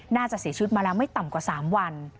น่าจะเสียชีวิตมาแล้วไม่ต่ำกว่า๓วัน